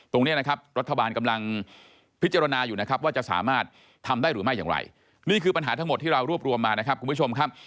ตรงนี้นะครับรัฐบาลกำลังพิจารณาอยู่นะครับว่าจะสามารถทำได้หรือไม่อย่างไรนี่คือปัญหาทั้งหมดที่เรารวบรวมมานะครับคุณผู้ชมครับ